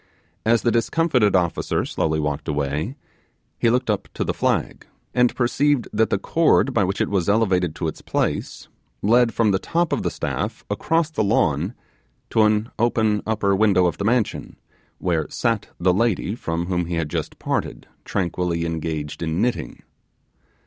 As the discomfited officer slowly walked away, he looked up to the flag, and perceived that the cord by which it was elevated to its place, led from the top of the staff, across the lawn, to an open upper window of the mansion, where sat the lady from whom he had just parted, tranquilly engaged in knitting.